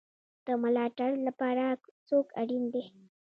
د ملاتړ لپاره څوک اړین دی؟